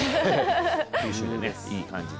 九州でね、いい感じで。